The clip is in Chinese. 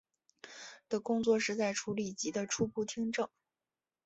的工作是在处理及的初步听证。